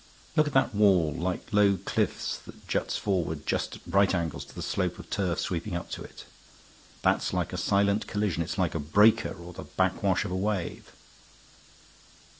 Look at that wall like low cliffs that juts forward just at right angles to the slope of turf sweeping up to it. That's like a silent collision. It's like a breaker and the back wash of a wave."